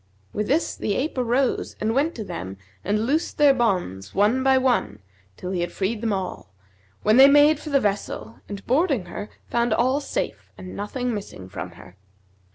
With this the ape arose and went up to them and loosed their bonds one by one, till he had freed them all, when they made for the vessel and boarding her, found all safe and nothing missing from her.